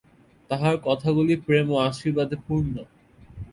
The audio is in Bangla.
তাঁহার কথাগুলি প্রেম ও আশীর্বাদে পূর্ণ।